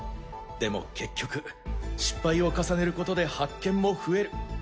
でも結局失敗を重ねることで発見も増える。